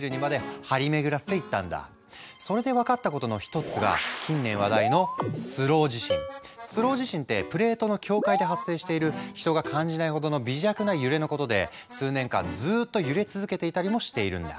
それで分かったことの一つが近年話題のスロー地震ってプレートの境界で発生している人が感じないほどの微弱な揺れのことで数年間ずっと揺れ続けていたりもしているんだ。